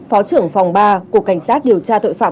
phó trưởng phòng ba cục cảnh sát điều tra tội phạm